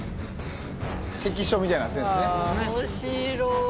関所みたいになってんすね。